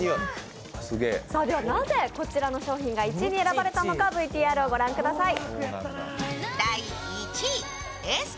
なぜこちらの商品が１位に選ばれたのかＶＴＲをご覧ください。